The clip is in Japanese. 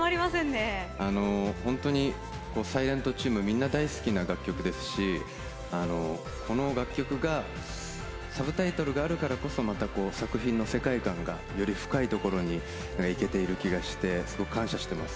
本当に「ｓｉｌｅｎｔ」チームみんな大好きな楽曲ですしこの楽曲が「Ｓｕｂｔｉｔｌｅ」があるからこそまた作品の世界観がより深いところに行けている気がして感謝しています。